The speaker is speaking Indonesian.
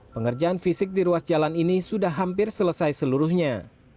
pengerjaan fisik di ruas jalan ini sudah hampir selesai seluruhnya